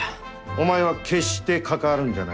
お前は決して関わるんじゃないぞ。